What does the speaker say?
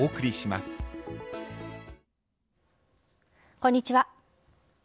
こんにちは。